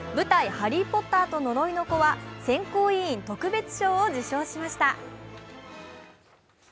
「ハリー・ポッターと呪いの子」は選考委員特別賞を受賞しました。